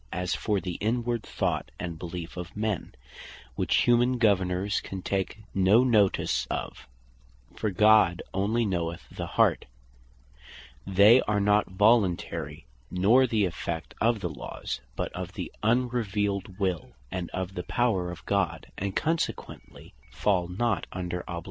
As for the inward Thought, and beleef of men, which humane Governours can take no notice of, (for God onely knoweth the heart) they are not voluntary, nor the effect of the laws, but of the unrevealed will, and of the power of God; and consequently fall not under obligation.